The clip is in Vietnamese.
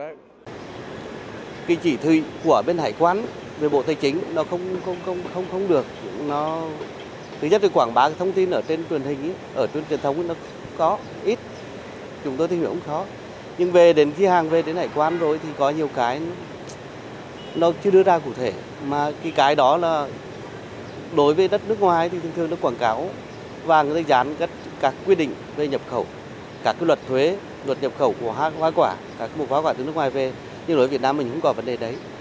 luật nhập khẩu của hóa quả các mục hóa quả từ nước ngoài về nhưng đối với việt nam mình không có vấn đề đấy